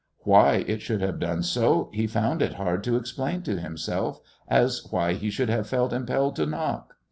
Why it should have done so he found it as hard to explain to himself as why he should have felt impelled to knock.